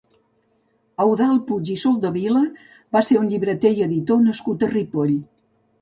Eudald Puig i Soldevila va ser un llibreter i editor nascut a Ripoll.